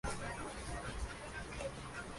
El año siguiente fichó por la Cultural Leonesa.